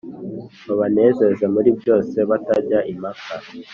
babanezeze muri byose batajya impaka